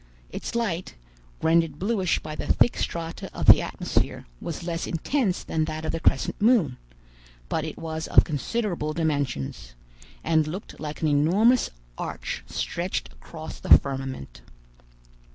Its light, rendered bluish by the thick strata of the atmosphere was less intense than that of the crescent moon, but it was of considerable dimensions, and looked like an enormous arch stretched across the firmament.